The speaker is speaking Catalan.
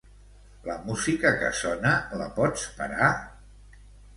La música que sona, la pots parar?